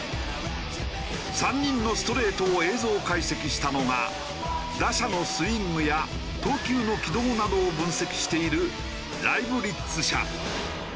３人のストレートを映像解析したのが打者のスイングや投球の軌道などを分析しているライブリッツ社。